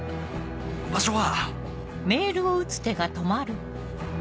場所は」。